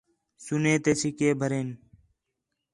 سُنّے تے سِکّے بھرین